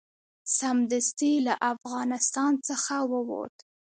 سمدستي له افغانستان څخه ووت.